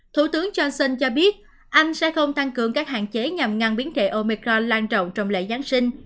thủ tướng johnson cho biết anh sẽ không tăng cường các hạn chế nhằm ngăn biến thể omicron lan trọng trong lễ giáng sinh